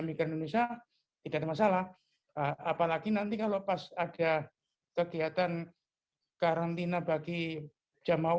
migran indonesia tidak ada masalah apalagi nanti kalau pas ada kegiatan karantina bagi jamaah